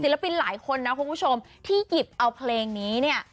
ปินหลายคนนะคุณผู้ชมที่หยิบเอาเพลงนี้เนี่ย